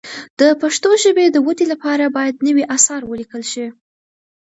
د پښتو ژبې د ودې لپاره باید نوي اثار ولیکل شي.